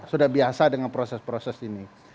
sudah biasa dengan proses proses ini